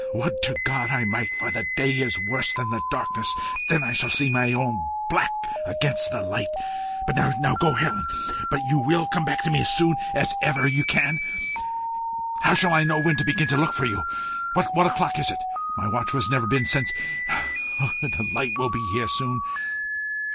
Would to God I might, for the day is worse than the darkness; then I see my own black against the light. Now go, Helen. But you WILL come back to me as soon as ever you can? How shall I know when to begin to look for you? What o'clock is it? My watch has never been since . Ugh! the light will be here soon.